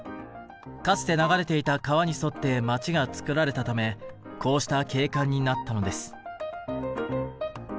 かつて流れていた川に沿って街がつくられたためこうした景観になったのです。